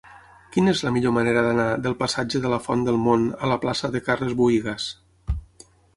Quina és la millor manera d'anar del passatge de la Font del Mont a la plaça de Carles Buïgas?